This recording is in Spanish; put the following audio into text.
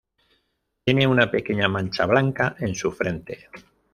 Tienen una pequeña mancha blanca en su frente.